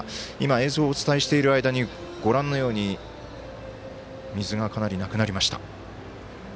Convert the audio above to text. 映像をお伝えしている間にご覧のように水が、かなりなくなりました。